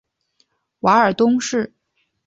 瓦尔东布。